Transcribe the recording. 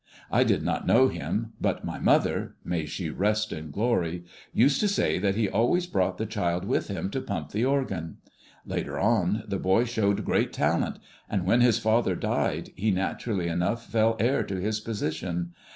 I did not know him, but my mother may she rest in glory! used to say that he always brought the child with him to pump the organ. Later on, the boy showed great talent; and when his father died, he naturally enough fell heir to his position.